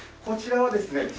こちらはですね